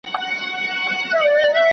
څنګه دا کار وشو؟